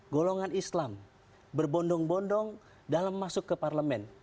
golongan islam berbondong bondong dalam masuk ke parlemen